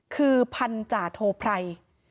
คือพันจ่าโทพรัย